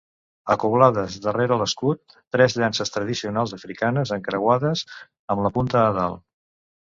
Acoblades darrere l'escut, tres llances tradicionals africanes encreuades, amb la punta a dalt.